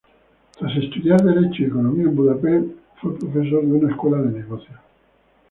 Tras estudiar derecho y economía en Budapest, fue profesor de una escuela de negocios.